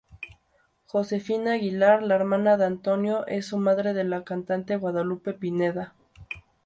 Josefina Aguilar, la hermana de Antonio, es madre de la cantante Guadalupe Pineda.